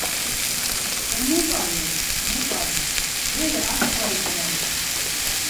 E mu p̌are, mu p̌are, bere aşǩva igzalu.